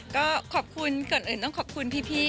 ก็ขอบคุณก่อนอื่นต้องขอบคุณพี่